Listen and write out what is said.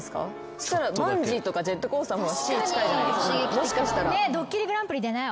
そしたらバンジーとかジェットコースターの方が死に近いじゃないですかもしかしたら。